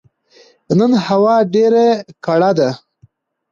نن هوا ډيره کړه ده